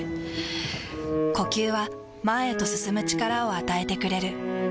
ふぅ呼吸は前へと進む力を与えてくれる。